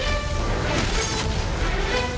เจ้าตีถือ